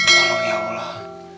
tolong ya allah